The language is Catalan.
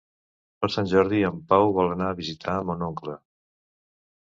Per Sant Jordi en Pau vol anar a visitar mon oncle.